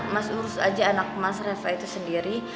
mas urus aja anak mas reva itu sendiri